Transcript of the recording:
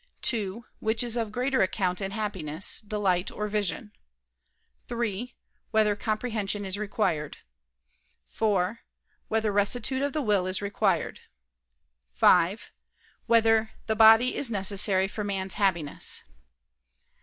(2) Which is of greater account in happiness, delight or vision? (3) Whether comprehension is required? (4) Whether rectitude of the will is required? (5) Whether the body is necessary for man's happiness?